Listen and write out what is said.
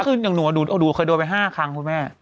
คืออย่างหนูหนูเคยโดนไป๕ครั้งคุณแม่